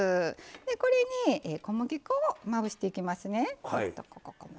これに小麦粉をまぶしていきますね。